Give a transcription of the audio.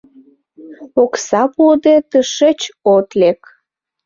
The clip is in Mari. Окса пуыде, тышеч от лек!